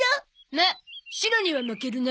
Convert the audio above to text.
まっシロには負けるな。